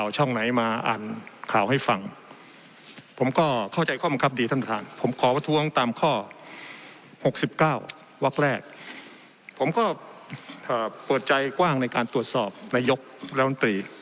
ต้องมาตายก่อนเวลาอันควรและกรรมรรณ